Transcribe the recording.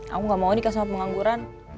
aku gak mau nikah sama pengangguran